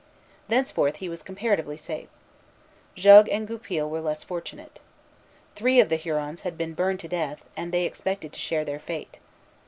Thenceforth he was comparatively safe. Jogues and Goupil were less fortunate. Three of the Hurons had been burned to death, and they expected to share their fate.